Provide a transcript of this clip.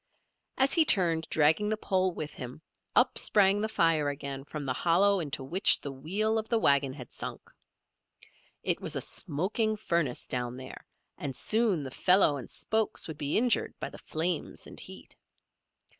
As he turned, dragging the pole with him, up sprang the fire again from the hollow into which the wheel of the wagon had sunk. It was a smoking furnace down there, and soon the felloe and spokes would be injured by the flames and heat.